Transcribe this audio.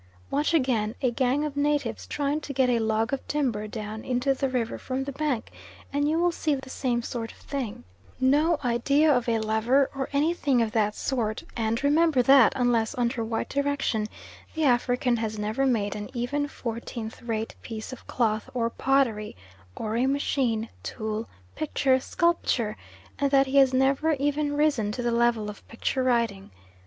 Watch again a gang of natives trying to get a log of timber down into the river from the bank, and you will see the same sort of thing no idea of a lever, or any thing of that sort and remember that, unless under white direction, the African has never made an even fourteenth rate piece of cloth or pottery, or a machine, tool, picture, sculpture, and that he has never even risen to the level of picture writing.